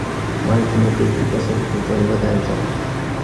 მან კინოკრიტიკოსების მოწონება დაიმსახურა.